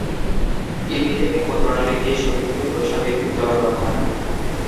Kidney থেকে মূত্রনালি দিয়ে শরীর থেকে প্রস্রাব বের হয়ে যাওয়ার কথা।